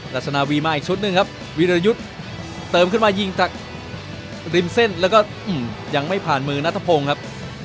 ลักษณะวีมาอีกชุดหนึ่งครับวีรยุทธ์เติมขึ้นมายิงจากริมเส้นแล้วก็ยังไม่ผ่านมือนัทพงศ์ครับ